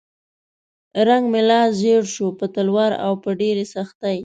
رنګ مې لا ژیړ شو په تلوار او په ډېرې سختۍ.